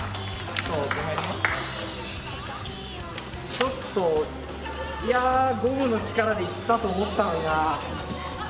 ちょっといやゴムの力でいったと思ったのになぁ。